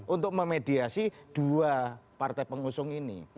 untuk memediasi dua partai pengusung ini